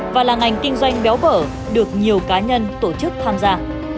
và là ngành kinh doanh béo phở được nhiều cá nhân tổ chức tham gia